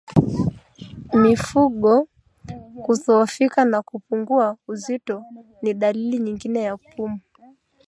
Mifugo kudhoofika na kupungua uzito ni dalili nyingine ya pumu